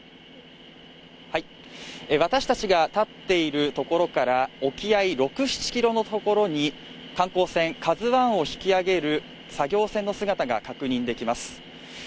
私たちが立っているところから沖合６７キロの所に観光船「ＫＡＺＵ１」を引き揚げる作業船の姿が確認できます